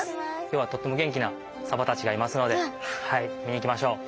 今日はとっても元気なサバたちがいますので見に行きましょう。